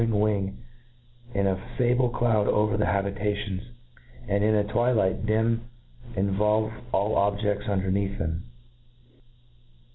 ing wing in a fable cloud over their habkadoaa, and in a twilight dim involve aH objed;s under neath them.